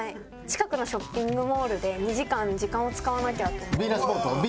近くのショッピングモールで２時間時間を使わなきゃ。